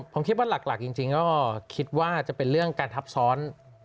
ผมคิดว่าหลักจริงก็คิดว่าจะเป็นเรื่องการทับซ้อน